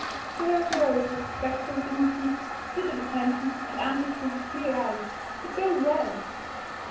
" the dog rose with respectful dignity, stood at attention, and answered with his clear eyes, " It goes well!